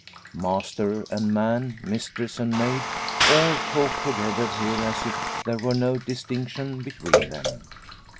Master and man, mistress and maid, all talked together here as if there were no distinction between them.